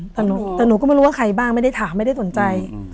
แต่หนูก็ไม่รู้ว่าใครบ้างไม่ได้ถามไม่ได้สนใจ